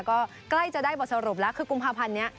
ก็ใกล้จะได้บทสรุปแล้วคือกุมภาพันธ์นี้